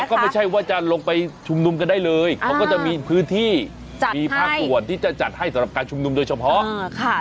ก็ไม่ใช่ว่าจะลงไปชุมนุมกันได้เลยเขาก็จะมีพื้นที่มีภาคส่วนที่จะจัดให้สำหรับการชุมนุมโดยเฉพาะค่ะ